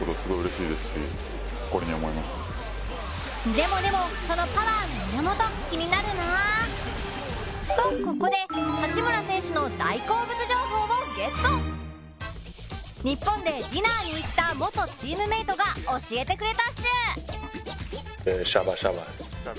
でもでもそのパワーの源気になるな。とここで八村選手の日本でディナーに行った元チームメートが教えてくれたっシュ！